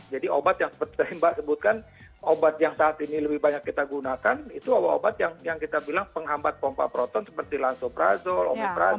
jadi obat yang seperti mbak sebutkan obat yang saat ini lebih banyak kita gunakan itu obat obat yang kita bilang penghambat pompa proton seperti lansoprazol omeprazol